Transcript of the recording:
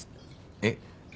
えっ？